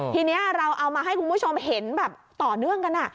ทีนี้เราเอามาให้คุณผู้ชมเห็นแบบต่อเนื่องกัน